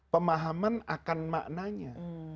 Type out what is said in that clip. pemahaman akan maknanya